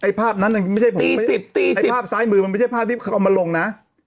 ภาพนั้นไม่ใช่ผมไอ้ภาพซ้ายมือมันไม่ใช่ภาพที่เขาเอามาลงนะ